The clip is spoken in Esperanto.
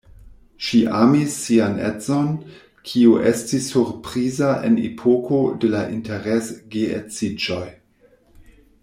Ŝi amis sian edzon, kio estis surpriza en epoko de la interes-geedziĝoj.